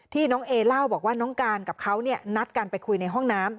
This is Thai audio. น้องเอเล่าบอกว่าน้องการกับเขานัดกันไปคุยในห้องน้ำ